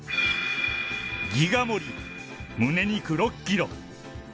ギガ盛りむね肉６キロ。